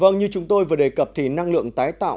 vâng như chúng tôi vừa đề cập thì năng lượng tái tạo